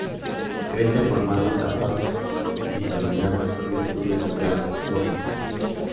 Crecen formando capas diseminadas por virtud de su gran motilidad.